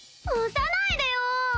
押さないでよ。